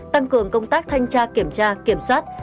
tăng cường công tác thanh tra kiểm tra kiểm soát